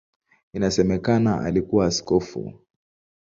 Inasemekana alikuwa askofu.